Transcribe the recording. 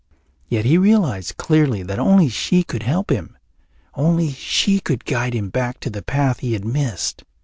Yet he realized clearly that only she could help him, only she could guide him back to the path he had missed.